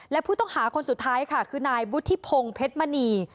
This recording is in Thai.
และผู้ต้องหาคนสุดท้ายค่ะคือนายวุฒิพงศ์เพชรมณี